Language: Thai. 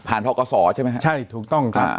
ผ่านพกศใช่ไหมครับใช่ถูกต้องครับ